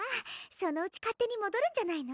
そのうち勝手にもどるんじゃないの？